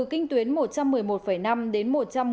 kinh tuyến một trăm một mươi một năm đến